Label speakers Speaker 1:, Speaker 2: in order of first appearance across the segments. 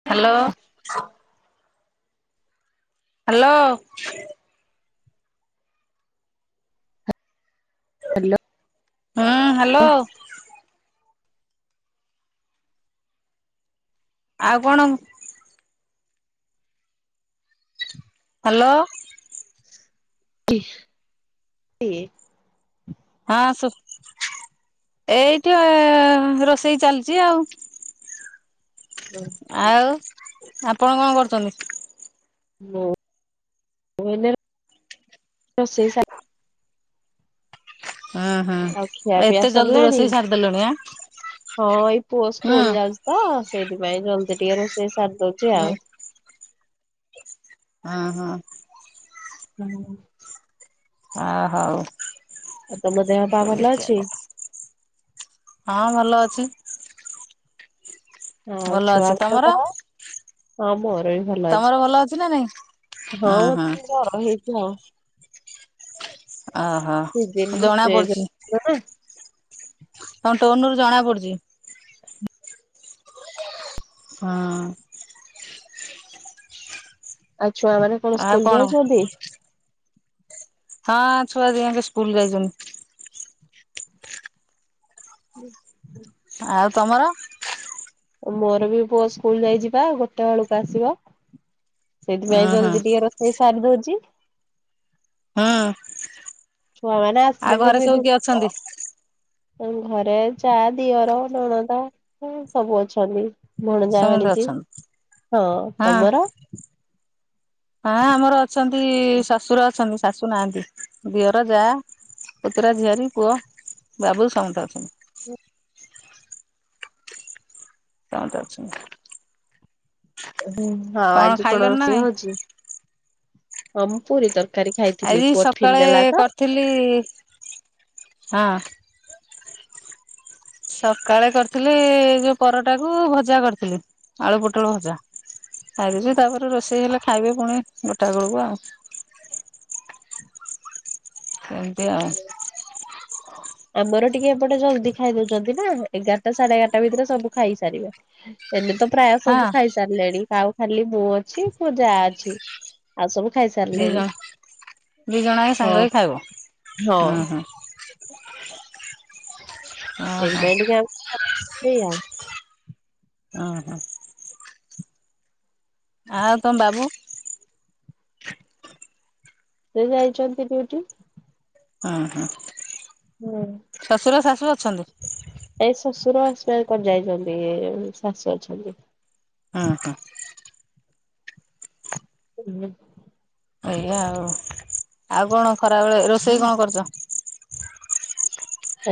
Speaker 1: [inaudible] Hello.
Speaker 2: Hello
Speaker 1: ହଁ, hello. ଆଉ କ'ଣ? [inaudible]
Speaker 2: [inaudible]
Speaker 1: ଏଇ---ରୋଷେଇ ଚାଲ୍ଚି ଆଉ।
Speaker 2: ହୁଁ, ଉ।
Speaker 1: ଆଉ ଆପଣ କ'ଣ କରୁଚ?
Speaker 2: [inaudible]
Speaker 1: [inaudible]
Speaker 2: [inaudible] ତ ସେଇଥି
Speaker 1: ଏତେ
Speaker 2: ପାଇଁ
Speaker 1: ରୋଷେଇ
Speaker 2: ଜଲ୍ଦି
Speaker 1: ସାରିଦେଲଣି ଆଁ ହୁଁ
Speaker 2: ଟିକେ ରୋଷେଇ ସାର୍ ଦଉଚି
Speaker 1: ହୁଁ
Speaker 2: ଆଉ।
Speaker 1: ହଁ, ହଁ।
Speaker 2: ହୁଁ।
Speaker 1: ଅ, ହଉ
Speaker 2: ଆଉ ତମ ଦେହ ପା ଭଲ ଅଛି?
Speaker 1: [unintelligible] ହଁ, ଭଲ ଅଛି।
Speaker 2: ହଁ,
Speaker 1: ଭଲ
Speaker 2: ଛୁଆ
Speaker 1: ଅଛି
Speaker 2: ବଧ
Speaker 1: ତମର
Speaker 2: କରାଅ। ହଁ, ମୋର ବି ଭଲ ଅଛି,
Speaker 1: ତମର ନା ନାଇଁ
Speaker 2: ହିଁ
Speaker 1: ହଁ
Speaker 2: ମତେ
Speaker 1: ହଁ
Speaker 2: ଟିକେ ଜର ହେଇ [unintelligible]
Speaker 1: ଅ ହଁ, ଜଣା ପଡ଼ୁଛି।
Speaker 2: ଦ ଦେଇ। [unintelligible]
Speaker 1: ତମ ଟୋନ୍ ରୁ ଜଣା ପଡୁଛି। ହଁ।
Speaker 2: ଆଉ ଛୁଆ ମାନେ କଣ ସ୍କୁଲ ଯାଇଛନ୍ତି?
Speaker 1: ହଁ, ଛୁଆ ଦି ଆଙ୍କେ ସ୍କୁଲ ଯାଇଛନ୍ତି।
Speaker 2: [unintelligible]
Speaker 1: ଆଉ ତମର?
Speaker 2: ମୋର ବି ପୁଅ ସ୍କୁଲ ଯାଇଛି ବା ଗୋଟେ ବେଳକୁ ଆସିବ। ସେଇଥି ପାଇଁ
Speaker 1: ଉୁଁ ହୁଁ
Speaker 2: ଜଲ୍ଦି ଟିକେ ରୋଷେଇ ସାରି ଦଉଛି।
Speaker 1: ହୁଁ।
Speaker 2: ଛୁଆ ମାନେ
Speaker 1: ଆଉ
Speaker 2: ଆସଲେ
Speaker 1: ଘରେ
Speaker 2: କେବେ
Speaker 1: ସବୁ କିଏ
Speaker 2: ଧୂତ
Speaker 1: ଅଛନ୍ତି?
Speaker 2: ଘରେ ଯା ଦିଅର ନଣଦ ସବୁ ଅଛନ୍ତି। ଭଣଜା,
Speaker 1: ସମସ୍ତେ
Speaker 2: ଭାଣିଜୀ,
Speaker 1: ଅଛନ୍ତି
Speaker 2: ହଁ, ତମର
Speaker 1: ହଁ, ଆମର ଅଛନ୍ତି ଶଶୁର ଅଛନ୍ତି। ଶାଶୁ ନାହାଁନ୍ତି, ଦିଅର, ଯା ପୁତୁରା, ଝିଅରୀ, ପୁଅ, ବାବୁ ସମସ୍ତେ ଅଛନ୍ତି। ସମତେ ଅଛନ୍ତି।
Speaker 2: ହୁଁ, ହଁ ଆଜି କଣ
Speaker 1: ଖାଇଲଣି ନା
Speaker 2: ରୋଷେଇ
Speaker 1: ନାଇଁ?
Speaker 2: ହଉଛି ହମ୍ ପୁରୀ ତରକା କାରି ଖାଇଥିଲି ପୁଅ ଟିଫିନ୍ ନେଲା ତ
Speaker 1: ଥିଲି, ହଁ। ସକାଳେ କରିଥିଲି ଏ ଯୋଉ ପରଟା କୁ ଭଜା କରିଥିଲି, ଆଳୁ ପୋଟଳ ଭଜା। ଖାଇଛି ତାପରେ ରୋଷେଇ ହେଲେ ଖାଇବେ ପୁଣି ଗୋଟା ବେଳକୁ ଆଉ। ଏମୀତି ଆଉ।
Speaker 2: ଆମର ଟିକେ ଏପଟେ ଜଲ୍ଦି ଖାଇ ଦଉଛନ୍ତି ନା ଏଗାରଟା ସାଢେ ଏଗାରଟା ଭିତରେ ସବୁ ଖାଇ ସାରିବେ। ଏବେ ତ ପ୍ରାୟ
Speaker 1: ହଁ
Speaker 2: ସବୁ ଖାଇ ସାରିଲେଣି ଆଉ ଖାଲି ମୁଁ ଅଛି, ମୋ ଯା ଅଛି। ଆଉ ସବୁ ଖାଇ
Speaker 1: ଦି
Speaker 2: ସାରିଲେଣି।
Speaker 1: ଜଣ ଦି ଜଣ ଯାଙ୍ଗା ସାଙ୍ଗ ହେଇକି ଖାଇବ,
Speaker 2: ହଁ
Speaker 1: ହୁଁ ହୁଁ। ଓହୋ
Speaker 2: ସେଇଥିପାଇଁ ଟିକେ ଆଉ [unintelligible]
Speaker 1: ଅ ହଁ। ଆଉ ତମ ବାବୁ?
Speaker 2: ସେ ଯାଇଛନ୍ତି ଡ୍ୟୁଟି।
Speaker 1: ହଁ ହଁ।
Speaker 2: ହୁଁ।
Speaker 1: ଶଶୁର ଶାଶୁ ଅଛନ୍ତି?
Speaker 2: ଏଇ ଶ୍ୱଶୁର ଏକ୍ସପାରୀ କରି ଯାଇଛନ୍ତି ଶାଶୁ ଅଛନ୍ତି।
Speaker 1: ହଁ ହଁ।
Speaker 2: ଉ ହୁଁ।
Speaker 1: ଏଇଆ ଆଉ ଆଉ କଣ ଖରାବେଳେ ରୋଷେଇ କଣ କରୁଛ?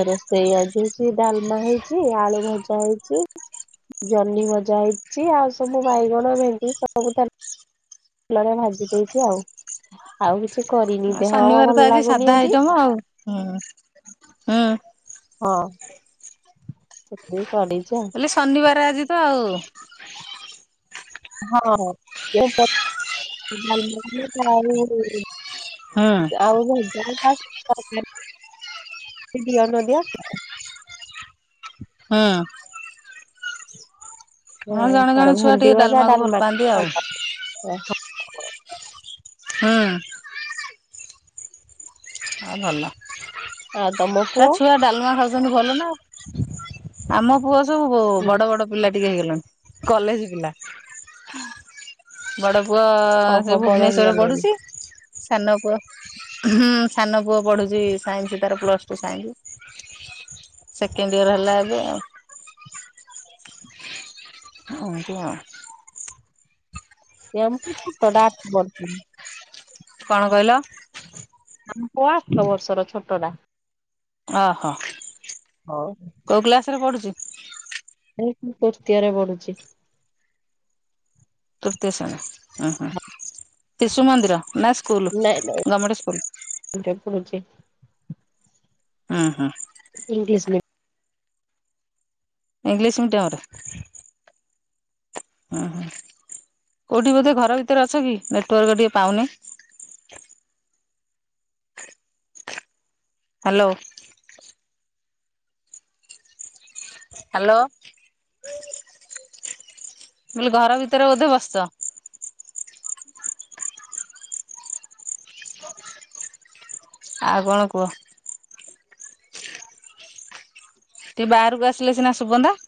Speaker 2: ରୋଷେଇ ଆଜି ହେଇଛି ଡାଲମା ହେଇଛି ଆଳୁ ଭଜା ହେଇଛି ଜହ୍ନି ଭଜା ହେଇଛି ଆଉ ସବୁ ବାଇଗଣ ଭେଣ୍ଡି ସବୁ ତା ଫୁଲରେ ଭାଜି ଦେଇଛି ଆଉ ଆଉ କିଛି କରିନି ଦେହ ଭଲ ଲାଗୁନି ଆଜି।
Speaker 1: ହଁଉ ହୁଁ ହୁଁ।
Speaker 2: ହଁ ସେଥି ପାଇଁ ପଳେଇଚ ଆଉ
Speaker 1: ମୁଁ କହିଲି ଶନିବାର ଆଜି ତ ଆଉ।
Speaker 2: ହଁ ଦେହ ପା [unintelligible]
Speaker 1: ହୁଁ।
Speaker 2: ଆଉ [unintelligible] [unintelligible] ଦିଅ ନଦିଆ
Speaker 1: ହଁ।
Speaker 2: ହ
Speaker 1: ହଁ ଜଣେ
Speaker 2: ତାର
Speaker 1: ଜଣେ ଛୁଆ
Speaker 2: ଭେଣ୍ଡି
Speaker 1: ଟିକେ
Speaker 2: ଭଜା
Speaker 1: ଡାଲମାକୁ ଭଲ
Speaker 2: ଡାଲମା
Speaker 1: ପାଆନ୍ତି ଆଉ
Speaker 2: [unintelligible]
Speaker 1: ହୁଁ। ଆ ଭଲ
Speaker 2: ଆଉ ତମ
Speaker 1: ତା
Speaker 2: ପୁଅ
Speaker 1: ଛୁଆ ଡାଲମା ଖାଉ ଚନ୍ତି ଭଲ ନା ଆଉ ଆମ ପୁଅ ସବୁ
Speaker 2: ହୁଁ
Speaker 1: ବଡ ବଡ ପିଲା ଟିକେ ହେଇଗଲାଣି କଲେଜ ପିଲା। ବଡ଼ ପୁଅ ସେ
Speaker 2: ଓହୋ ବଡ
Speaker 1: ଭୁବନେଶ୍ଵରରେ ପଢୁଛି
Speaker 2: ହେଇଗଲେଣି
Speaker 1: ସାନ ପୁଅ ହୁଁ ସାନ ପୁଅ ପଢୁଛି ସାଇନ୍ସ ତାର plus two science second year ହେଲା ଏବେ ଆଉ। ଏମିତି ଆଉ।
Speaker 2: ଏ ଆମ [unintelligible]
Speaker 1: କଣ କହିଲ?
Speaker 2: ଆମ ପୁଅ ଆଠ ବର୍ଷର ଛୋଟ ଟା।
Speaker 1: ଓହୋ
Speaker 2: ହଉ
Speaker 1: କୋଉ କ୍ଲାସରେ ପଢ଼ୁଛି?
Speaker 2: ଏ ତୃତୀୟରେ ବଢୁଚି।
Speaker 1: ତୃତୀୟ ଶ୍ରେଣୀ ଉ ହୁଁ ଶିଶୁ ମନ୍ଦିର ନା ସ୍କୁଲ
Speaker 2: ନାଇଁ
Speaker 1: ଗମେଣ୍ଟ ସ୍କୁଲ?
Speaker 2: [unintelligible]
Speaker 1: ଉ ହୁଁ।
Speaker 2: ଇଂଲିଶ ମିଡି
Speaker 1: ଇଂଲିଶ ମିଡ଼ିୟମରେ? ଉ ହୁଁ କୋଉଠି ବୋଧେ ଘର ଭିତରେ ଅଛ କି ନେଟୱାର୍କ ଟିକେ ପାଉନି? ହାଲୋ। ହ୍ୟାଲୋ। ମୁଁ କହିଲି ଘର ଭିତରେ ବୋଧେ ବସଚ? ଆଉ କଣ କୁହ। ଟିକେ ବାହାରକୁ ଆସିଲେ ସିନା ସୁବନ୍ତା।